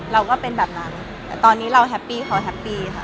เราก็เป็นแบบนั้นแต่ตอนนี้เราแฮปปี้เขาแฮปปี้ค่ะ